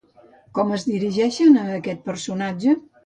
Com es dirigeixen a aquest personatge?